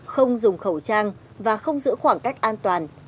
không dùng khẩu trang và không giữ khoảng cách an toàn